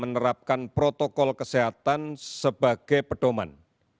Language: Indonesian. menerapkan protokol kesehatan sebagai pedoman